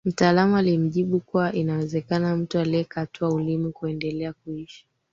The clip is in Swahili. Mtaalamu alimjibu kuwa inawezekana mtu aliyekatwa ulimi kuendelea kuishi